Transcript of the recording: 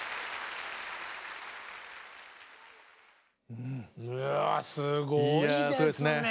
うわすごいですね！